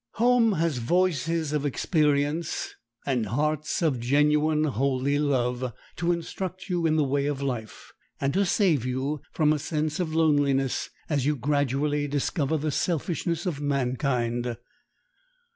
Home has voices of experience and hearts of genuine holy love, to instruct you in the way of life, and to save you from a sense of loneliness as you gradually discover the selfishness of mankind.